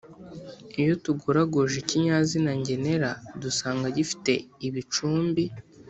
iyo tugoragoje ikinyazina ngenera dusanga gifite ibicumbi